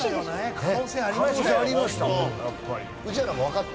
可能性ありました。